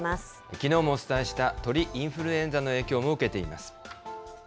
きのうもお伝えした鳥インフルエンザの影響も受けています。